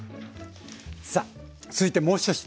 さあ続いてもう１品。